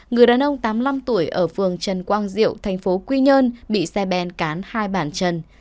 người đàn ông tám mươi năm tuổi ở phường trần quang diệu thành phố quy nhơn bị xe bèn cán hai bàn chân